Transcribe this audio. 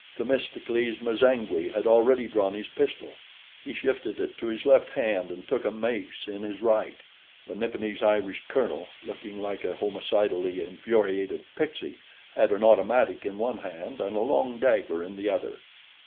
Themistocles M'zangwe had already drawn his pistol; he shifted it to his left hand and took a mace in his right. The Nipponese Irish colonel, looking like a homicidally infuriated pixie, had an automatic in one hand and a long dagger in the other.